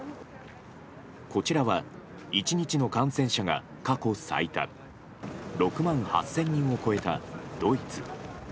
こちらは１日の感染者が過去最多６万８０００人を超えたドイツ。